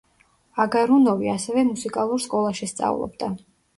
აგარუნოვი, ასევე მუსიკალურ სკოლაში სწავლობდა.